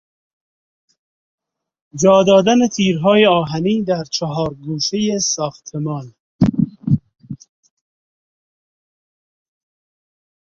جادادن تیرهای آهنی در چهار گوشهی ساختمان